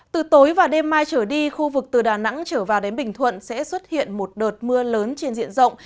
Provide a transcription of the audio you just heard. từ tối và đêm mai trở đi khu vực từ đà nẵng trở vào đến bình thuận sẽ xuất hiện một đợt mưa lớn trên diện rộng